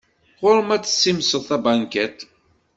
Ɣur-m ad tessimseḍ tabankiṭ.